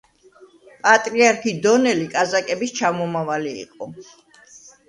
პატრიარქი დონელი კაზაკების ჩამომავალი იყო.